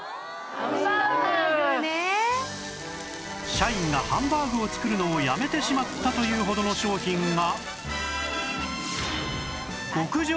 社員がハンバーグを作るのをやめてしまったというほどの商品が